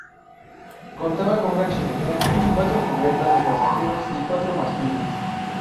Contaba con una chimenea, cuatro cubiertas de pasajeros y cuatro mástiles.